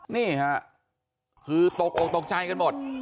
นี่ฮะคือตกตกตกใช้กันหมด